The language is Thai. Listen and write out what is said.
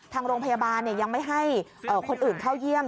ทางโรงพยาบาลยังไม่ให้คนอื่นเข้าเยี่ยม